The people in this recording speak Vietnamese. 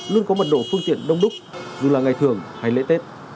luôn có mật độ phương tiện đông đúc dù là ngày thường hay lễ tết